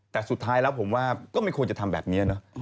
แต่สุดท้ายแล้วผมว่าก็ไม่ควรจะทำแบบนี้เนอะ